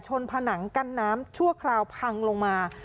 ผนังกั้นน้ำชั่วคราวพังลงมา